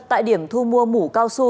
tại điểm thu mua mũ cao su